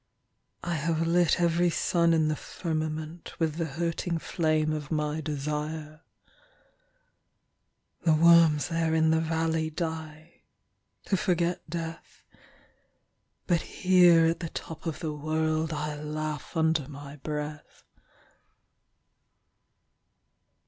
I have lit every sun in the firmamentWith the hurting flame of my desire. The worms there in the valleyDie—to forget death; But here at the top of the worldI laugh under my breath.